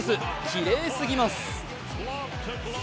きれいすぎます。